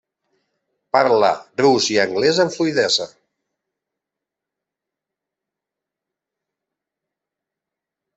Parla rus i anglès amb fluïdesa.